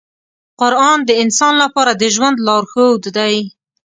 قرآن د انسان لپاره د ژوند لارښود دی.